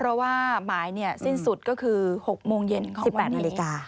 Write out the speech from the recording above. เพราะว่าหมายสิ้นสุดก็คือ๖โมงเย็นของวันนี้